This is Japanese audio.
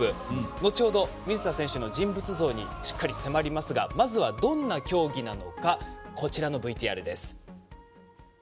後ほど、水田選手の人物像にしっかり迫りますがまずは、どんな競技なのかこちらのＶＴＲです。